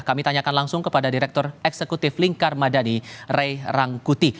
kami tanyakan langsung kepada direktur eksekutif lingkar madani ray rangkuti